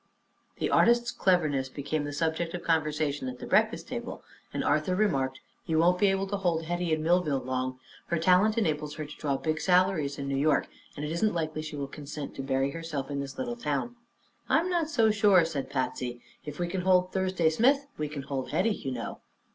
The artist's cleverness became the subject of conversation at the breakfast table, and Arthur remarked: "You won't be able to hold Hetty in Millville long. Her talent enables her to draw big salaries in New York and it isn't likely she will consent to bury herself in this little town." "I'm not so sure," said Patsy. "If we can hold Thursday Smith we can hold Hetty, you know."